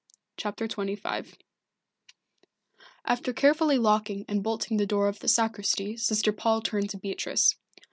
CHAPTER XXV After carefully locking and bolting the door of the sacristy Sister Paul turned to Beatrice.